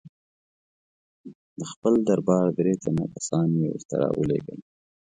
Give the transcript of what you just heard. د خپل دربار درې تنه کسان یې ورته را ولېږل.